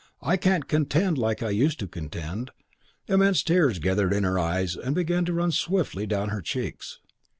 I can't contend like I used to contend." Immense tears gathered in her eyes and began to run swiftly down her cheeks.